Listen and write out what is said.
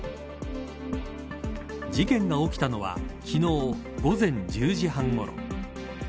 事件が起きたのは昨日午前１０時半ごろ。